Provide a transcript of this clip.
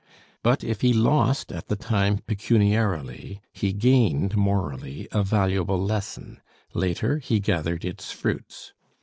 But if he lost at the time pecuniarily, he gained morally a valuable lesson; later, he gathered its fruits.